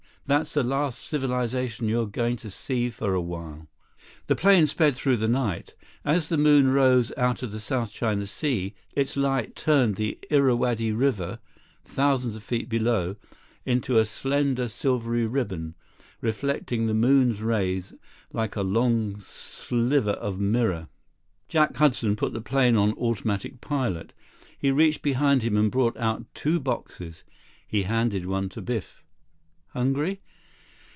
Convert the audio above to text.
That's the last civilization you're going to see for a while." The plane sped through the night. As the moon rose out of the South China Sea, its light turned the Irrawaddy River, thousands of feet below, into a slender silvery ribbon, reflecting the moon's rays like a long sliver of mirror. Jack Hudson put the plane on automatic pilot. He reached behind him and brought out two boxes. He handed one to Biff. "Hungry?"